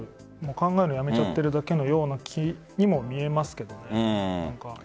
考えるのをやめちゃってるような気もしますけどね。